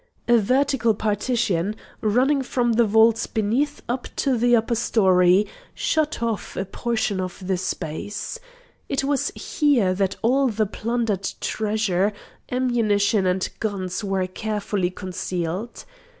A vertical partition, running from the vaults beneath up to the upper story, shut off a portion of the space. It was here that all the plundered treasure, ammunition and guns were carefully concealed.